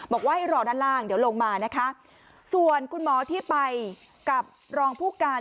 บอกว่าให้รอด้านล่างเดี๋ยวลงมานะคะส่วนคุณหมอที่ไปกับรองผู้การ